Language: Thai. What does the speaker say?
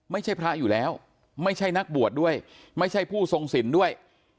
ไม่ใช่พระอยู่แล้วไม่ใช่นักบวชด้วยไม่ใช่ผู้ทรงสินด้วย